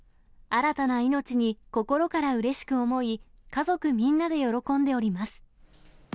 新たな命に、心からうれしく思い、家族みんなで喜んでおります。